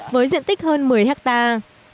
với diện tích hơn một mươi hectare